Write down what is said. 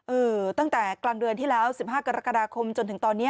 ตั้งแต่กลางเดือนที่แล้ว๑๕กรกฎาคมจนถึงตอนนี้